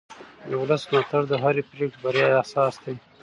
د ولس ملاتړ د هرې پرېکړې د بریا اساس دی